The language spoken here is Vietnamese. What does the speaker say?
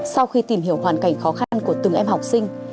sau khi tìm hiểu hoàn cảnh khó khăn của từng em học sinh